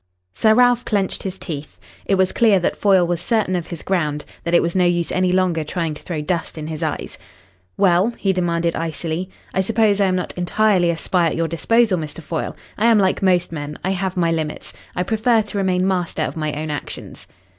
Sir Ralph clenched his teeth. It was clear that Foyle was certain of his ground; that it was no use any longer trying to throw dust in his eyes. "Well?" he demanded icily. "I suppose I am not entirely a spy at your disposal, Mr. Foyle. I am like most men, I have my limits. I prefer to remain master of my own actions."